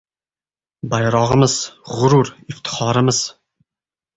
Bayrog‘imiz – g‘urur, iftixorimiz